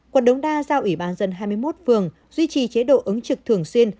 quận đống đa giao ủy ban dân hai mươi một phường duy trì chế độ ứng trực thường xuyên